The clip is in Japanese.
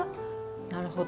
なるほど。